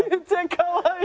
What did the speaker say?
かわいい。